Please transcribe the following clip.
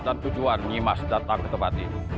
dan tujuan ninka sedetgan kebati